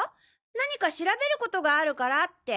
何か調べることがあるからって。